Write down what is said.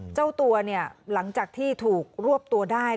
เจ้าตัวเนี่ยหลังจากที่ถูกรวบตัวได้